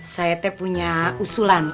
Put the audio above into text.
saya teh punya usulan